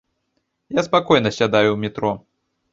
Я спакойна сядаю ў метро.